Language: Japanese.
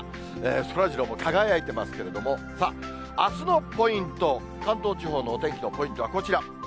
そらジローも輝いてますけれども、さあ、あすのポイント、関東地方のお天気のポイントはこちら。